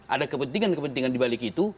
ada kepentingan kepentingan di balik itu